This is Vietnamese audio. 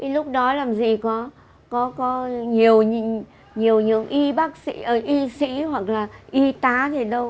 lúc đó làm gì có nhiều những y bác sĩ y sĩ hoặc là y tá gì đâu